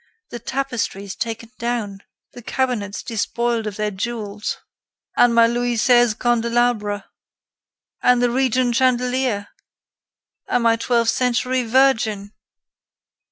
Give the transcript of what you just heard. The tapestries taken down! The cabinets, despoiled of their jewels! "And my Louis XVI candelabra! And the Regent chandelier!...And my twelfth century Virgin!"